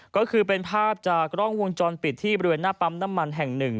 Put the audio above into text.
ก็คือเป็นภาพจากกล้องวงจรปิดที่บริเวณหน้าปั๊มน้ำมันแห่งหนึ่ง